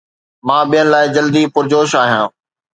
مان ٻين لاءِ جلدي پرجوش آهيان